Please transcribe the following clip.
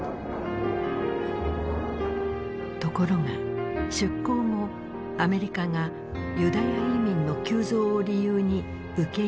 ところが出航後アメリカがユダヤ移民の急増を理由に受け入れを拒否。